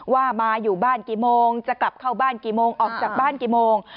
ว่ามาอยู่บ้านกี่โมงจะกลับเข้าบ้านกี่โมงออกจากบ้านกี่โมง